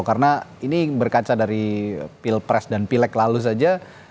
karena ini berkaca dari pilpres dan pilek lalu saja